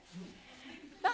あっ！